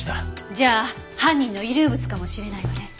じゃあ犯人の遺留物かもしれないわね。